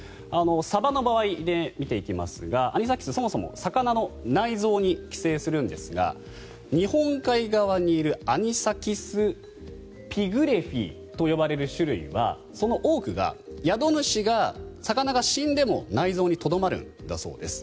サバの場合で見ていきますがアニサキスはそもそも魚の内臓に寄生するんですが日本海側にいるアニサキス・ピグレフィーといわれる種類はその多くが宿主が、魚が死んでも内臓にとどまるんだそうです。